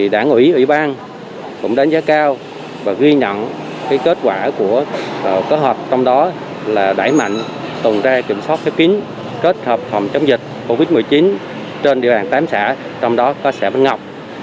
đảng ủy ủy ban cũng đánh giá cao và ghi nhận kết quả của kết hợp trong đó là đẩy mạnh tuần tra kiểm soát khép kín kết hợp phòng chống dịch covid một mươi chín trên địa bàn tám xã trong đó có xã văn ngọc